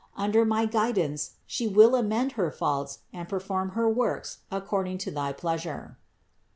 Under my guidance She will amend her faults and perform her works according to thy pleasure."